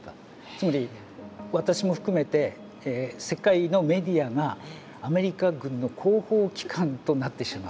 つまり私も含めて世界のメディアがアメリカ軍の広報機関となってしまった。